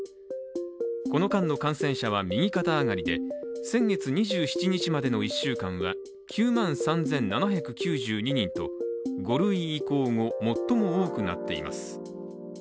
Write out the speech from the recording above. この間の感染者は右肩上がりで先月２７日までの１週間は９万３７９２人と５類移行後、最も多くなっています。